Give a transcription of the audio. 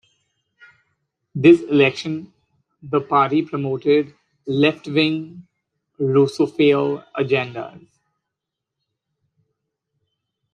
This election the party promoted left-wing Russophile agenda's.